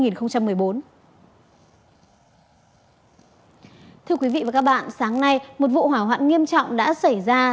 thưa quý vị và các bạn sáng nay một vụ hỏa hoạn nghiêm trọng đã xảy ra